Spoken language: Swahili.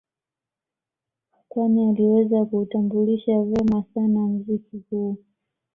Kwani aliweza kuutambulisha vema sana mziki huu